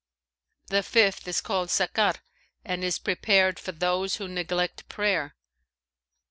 The fifth is called Sakar and is prepared for those who neglect prayer.